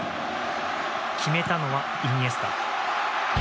決めたのはイニエスタ。